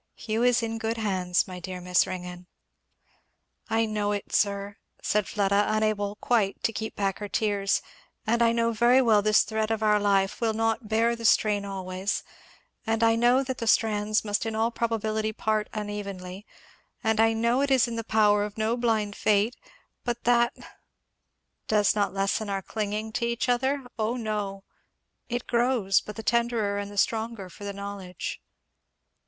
Hugh is in good hands, my dear Miss Ringgan." "I know it, sir," said Fleda unable quite to keep back her tears, "and I know very well this thread of our life will not bear the strain always, and I know that the strands must in all probability part unevenly, and I know it is in the power of no blind fate, but that " "Does not lessen our clinging to each other. Oh no! it grows but the tenderer and the stronger for the knowledge."